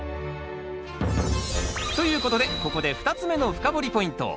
ということでここで２つ目の深掘りポイント。